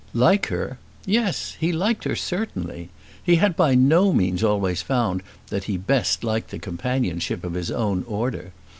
Like her! Yes! he liked her certainly. He had by no means always found that he best liked the companionship of his own order.